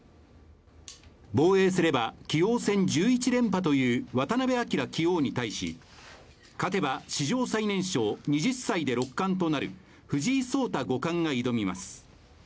防衛すれば棋王戦１１連覇という渡辺明棋王に対し、勝てば史上最年少２０歳で六冠となる藤井聡太五冠が挑みます。